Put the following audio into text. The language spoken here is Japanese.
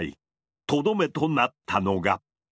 とどめとなったのが。